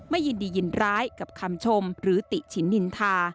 ยินดียินร้ายกับคำชมหรือติฉินนินทา